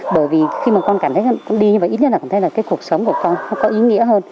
bởi vì khi mà con cảm thấy con đi ít nhất là con thấy là cái cuộc sống của con có ý nghĩa hơn